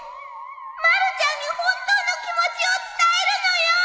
まるちゃんに本当の気持ちを伝えるのよー